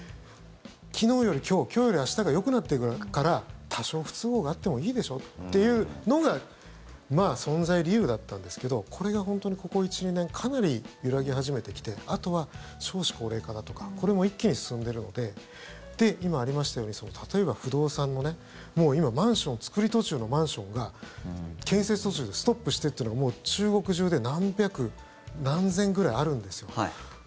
昨日より今日、今日より明日がよくなってくるから多少不都合があってもいいでしょというのが存在理由だったんですけどこれが本当に、ここ１２年かなり揺らぎ始めてきてあとは少子高齢化だとかこれも一気に進んでいるので今、ありましたように例えば不動産のねもう今、作り途中のマンションが建設途中でストップしてというのが中国中で何百、何千ぐらいあるんですよ。